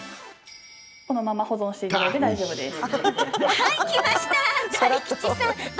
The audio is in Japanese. このまま保存していただいて大丈夫です。